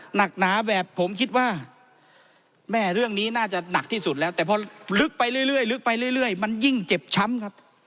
หนักหนาแบบผมคิดว่าแม่เรื่องนี้น่าจะหนักที่สุดแล้วแต่พอลึกไปเรื่อยลึกไปเรื่อยมันยิ่งเจ็บช้ำครับ